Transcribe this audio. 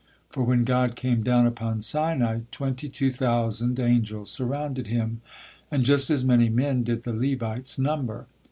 For, when God came down upon Sinai, twenty two thousand angels surrounded Him, and just as many men did the Levites number.